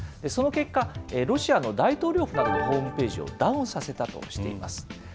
その結果、ロシアの大統領府などのホームページをダウンさせたとしています。